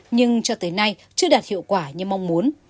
nhưng cho tới nay chưa đạt hiệu quả như mong muốn